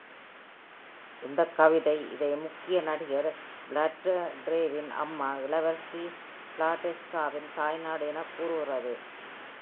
இந்த கவிதை இதை முக்கிய நடிகர் ஃப்ளாரண்டேவின் அம்மா இளவரசி ஃப்ளாரெஸ்காவின் தாய்நாடு என கூறுகிறது.